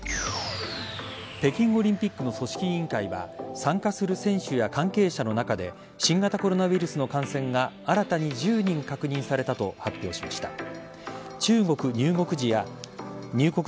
北京オリンピックの組織委員会は参加する選手や関係者の中で新型コロナウイルスの感染が新たに１０人確認されたと発表しました。